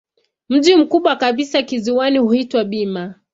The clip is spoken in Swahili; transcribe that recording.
Mji mkubwa kabisa kisiwani huitwa Bima.